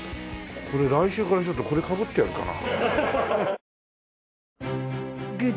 これ来週からちょっとこれかぶってやるかな。